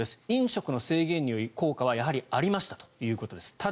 飲食の制限による効果はありましたということです。